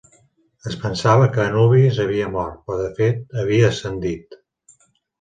Es pensava que Anubis havia mort, però, de fet, havia ascendit.